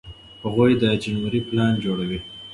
هغوی د جنورۍ پلان جوړوي.